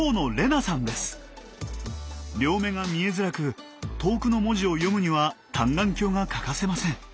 両目が見えづらく遠くの文字を読むには単眼鏡が欠かせません。